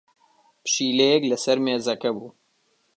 پشیلەیەک لەسەر مێزەکە بوو.